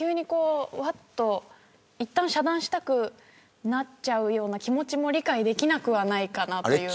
いったん遮断したくなっちゃう気持ちも理解できなくはないなというか。